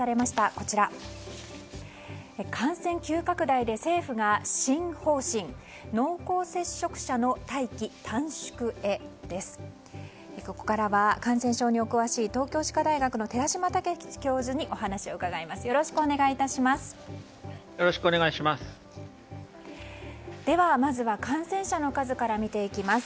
ここからは、感染症にお詳しい東京歯科大学の寺嶋毅教授にお話を伺います。